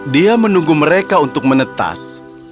dia menunggu mereka untuk menetas